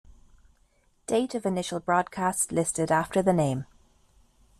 Date of initial broadcast listed after the name.